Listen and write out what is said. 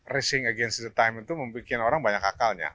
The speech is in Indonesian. racing against the time itu membuat orang banyak akalnya